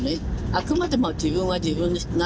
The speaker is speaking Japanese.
あくまでも自分は自分なのよ。